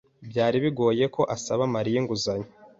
Byari bigoye ko asaba Mariya inguzanyo.